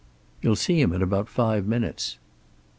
"You'll see him in about five minutes."